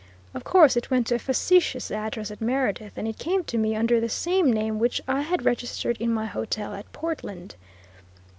Of course it went to a fictitious address at Meredith, and it came to me under the same name which I had registered in my hotel at Portland.